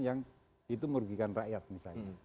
yang itu merugikan rakyat misalnya